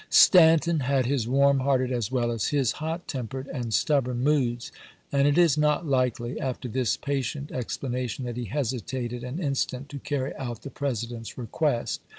Stanton had his isei. ms. warm hearted as well as his hot tempered and stub born moods, and it is not likely, after this patient explanation, that he hesitated an instant to carry out the President's request.